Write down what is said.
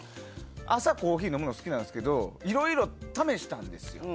朝、コーヒー飲むの好きなんですけどいろいろ試したんです。